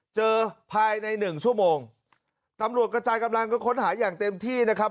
เจอภายในหนึ่งชั่วโมงตำรวจกระจายกำลังก็ค้นหาอย่างเต็มที่นะครับ